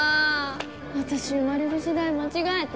私生まれる時代間違えた。